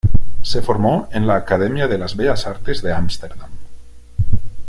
Se formó en la Academia de las Bellas Artes de Ámsterdam.